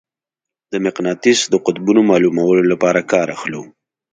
د مقناطیس د قطبونو معلومولو لپاره کار اخلو.